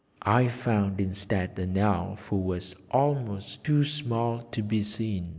I found instead an Elf who was almost too small to be seen.